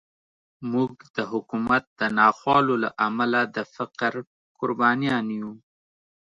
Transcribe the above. موږ د حکومت د ناخوالو له امله د فقر قربانیان یو.